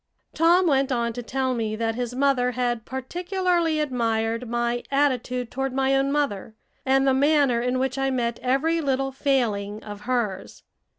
Tom went on to tell me that his mother had particularly admired my attitude toward my own mother, and the manner in which I met every little failing of hers.